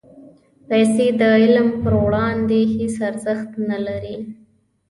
پېسې د علم پر وړاندې هېڅ ارزښت نه لري.